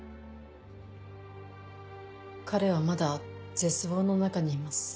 彼はまだ絶望の中にいます。